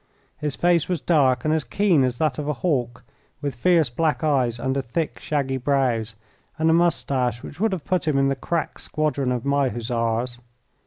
His face was dark and as keen as that of a hawk, with fierce black eyes under thick, shaggy brows, and a moustache which would have put him in the crack squadron of my Hussars.